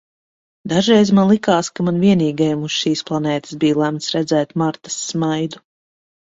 Dažreiz man likās, ka man vienīgajam uz šīs planētas bija lemts redzēt Martas smaidu.